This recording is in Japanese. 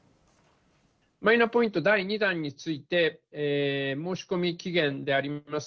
マイナポイント第２弾について、申し込み期限であります